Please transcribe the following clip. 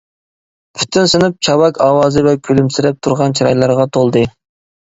پۈتۈن سىنىپ چاۋاك ئاۋازى ۋە كۈلۈمسىرەپ تۇرغان چىرايلارغا تولدى.